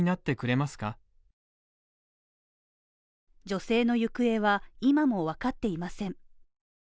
女性の行方は今もわかっていません。